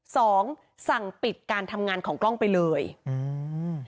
สองสั่งปิดการทำงานของกล้องไปเลยอืม